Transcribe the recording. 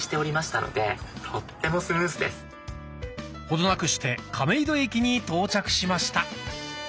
程なくして亀戸駅に到着しました。